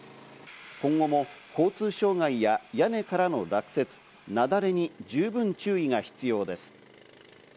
今後も交通障害や屋根からの落雪、雪崩に十分注意が必要です。